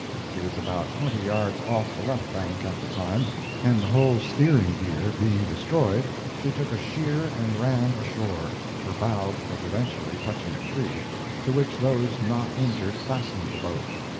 She was about twenty yards off the left bank at the time, and the whole steering gear being destroyed, she took a sheer and ran ashore, her bow providentially touching a tree, to which those not injured fastened the boat.